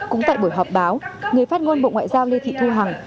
cũng tại buổi họp báo người phát ngôn bộ ngoại giao lê thị thu hằng